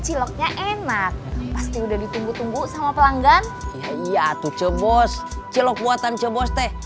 ciloknya enak pasti udah ditunggu tunggu sama pelanggan ya iya tuh cebos cilok buatan cebos teh